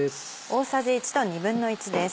大さじ１と１／２です。